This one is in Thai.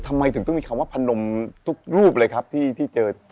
ทำไมถึงต้องมีคำว่าพนมทุกรูปเลยครับที่เจอ